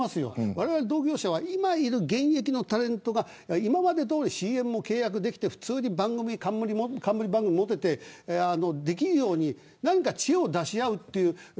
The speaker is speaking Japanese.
われわれ同業者は今いる現役のタレントが今までどおりＣＭも契約できて普通に冠番組を持ててできるように何か知恵を出し合うという。